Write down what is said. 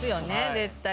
絶対。